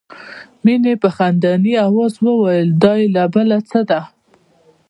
مينې په خندني آواز وویل دا یې لا بله څه ده